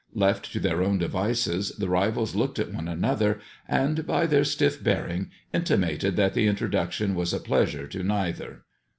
Left to their own devices, the rivals looked at one another, and by their stiff bearing intimated that the introduction was a pleasure to neither.